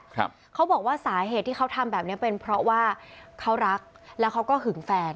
เขาบอกว่าสาเหตุที่เขาทำแบบเนี้ยเป็นเพราะว่าเขารักแล้วเขาก็หึงแฟน